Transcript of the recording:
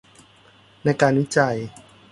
ในการวิจัย